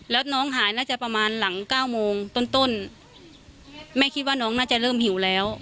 แล้วน้องหายน่าจะประมาณหลังเก้าโมงต้นต้นแม่คิดว่าน้องน่าจะเริ่มหิวแล้ว